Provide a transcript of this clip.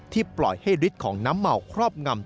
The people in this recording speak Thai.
ปล่อยให้ฤทธิ์ของน้ำเมาครอบงำ